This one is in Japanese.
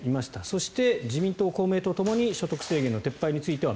そして、自民党、公明党ともに所得制限の撤廃については